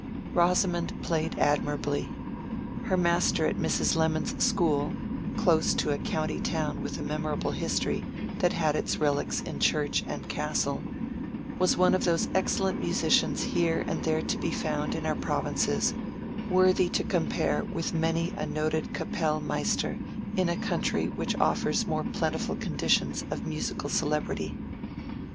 Rosamond played admirably. Her master at Mrs. Lemon's school (close to a county town with a memorable history that had its relics in church and castle) was one of those excellent musicians here and there to be found in our provinces, worthy to compare with many a noted Kapellmeister in a country which offers more plentiful conditions of musical celebrity.